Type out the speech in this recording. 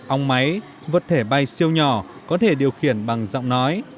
ong máy vật thể bay siêu nhỏ có thể điều khiển bằng giọng nói